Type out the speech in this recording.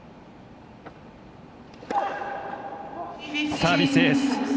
サービスエース。